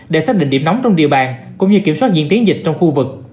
để xác định điểm nóng trong địa bàn cũng như kiểm soát diễn tiến dịch trong khu vực